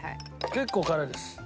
結構辛いです。